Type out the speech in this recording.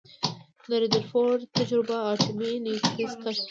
د ردرفورډ تجربه اټومي نیوکلیس کشف کړ.